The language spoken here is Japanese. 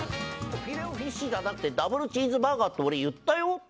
フィレオフィッシュじゃなくてダブルチーズバーガーって俺言ったよ！